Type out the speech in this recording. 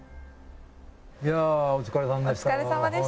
いやお疲れさんでした。